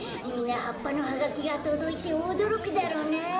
みんなはっぱのハガキがとどいておどろくだろうな。